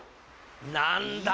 何だ？